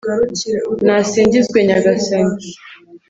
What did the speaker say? nasingizwe nyagasani